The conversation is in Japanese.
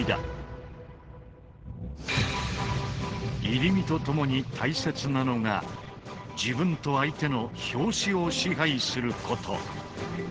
「入身」とともに大切なのが自分と相手の「拍子」を支配すること。